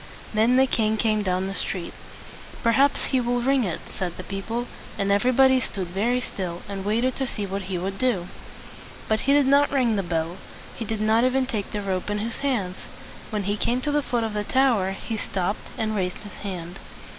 Then the king came down the street. "Perhaps he will ring it," said the people; and everybody stood very still, and waited to see what he would do. But he did not ring the bell. He did not even take the rope in his hands. When he came to the foot of the tower, he stopped, and raised his hand.